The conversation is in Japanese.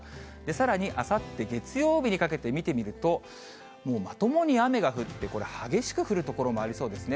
さらにあさって月曜日にかけて見てみると、もうまともに雨が降って、激しく降る所もありそうですね。